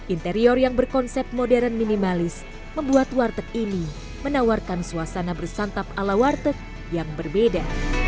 interior yang berkonsep modern minimalis membuat warteg ini menawarkan suasana bersantap ala warteg yang berbeda